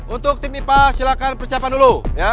untuk tim ipa silahkan persiapan dulu